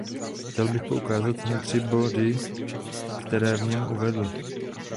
Chtěl bych poukázat na tři body, které v něm uvedl.